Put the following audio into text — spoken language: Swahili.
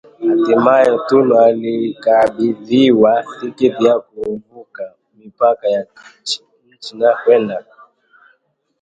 Hatimaye Tunu alikabidhiwa tiketi ya kuvuka mipaka ya nchi na kwenda